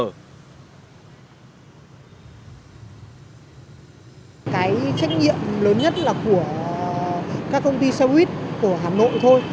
cái trách nhiệm lớn nhất là của các công ty xe buýt của hà nội thôi